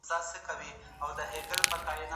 که استاد له شاګرد سره مخالفت ولري هغه ورسره مني.